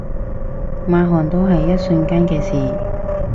抹汗都係一瞬間嘅事